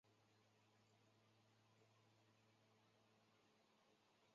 孙铂早期在大连实德梯队接受足球训练。